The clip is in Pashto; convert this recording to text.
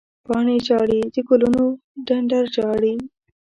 پاڼې ژاړې، د ګلونو ډنډر ژاړې